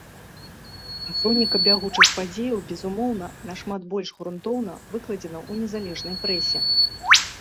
А хроніка бягучых падзеяў, безумоўна, нашмат больш грунтоўна выкладзена ў незалежнай прэсе.